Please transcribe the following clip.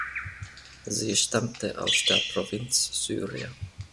Sie stammte aus der Provinz Syria.